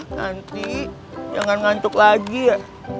nanti jangan ngantuk lagi ya